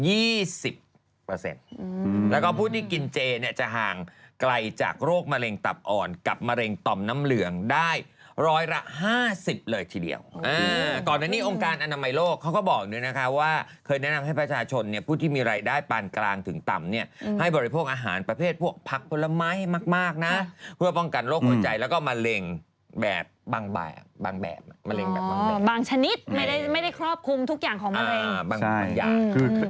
อืมแล้วก็ผู้ที่กินเจเนี่ยจะห่างไกลจากโรคมะเร็งตับอ่อนกับมะเร็งต่อมน้ำเหลืองได้ร้อยละห้าสิบเลยทีเดียวอืมอืมอืมอืมอืมอืมอืมอืมอืมอืมอืมอืมอืมอืมอืมอืมอืมอืมอืมอืมอืมอืมอืมอืมอืมอืมอืมอืมอืมอืมอืมอืมอืมอืมอ